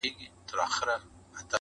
زه به د پنجاب د ړنګېدلو زېری درکمه٫